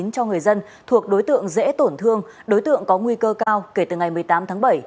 cho người dân thuộc đối tượng dễ tổn thương đối tượng có nguy cơ cao kể từ ngày một mươi tám tháng bảy